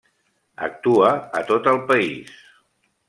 Actua a tot el país.